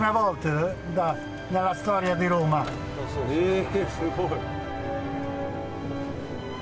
えすごい！